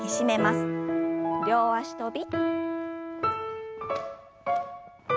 両脚跳び。